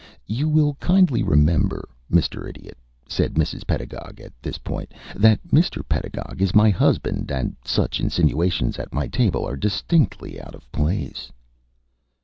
"You will kindly remember, Mr. Idiot," said Mrs. Pedagog at this point, "that Mr. Pedagog is my husband, and such insinuations at my table are distinctly out of place."